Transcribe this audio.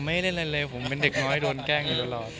ไม่ได้อะไรเลยผมเป็นเด็กน้อยโดนแกล้งอยู่ตลอด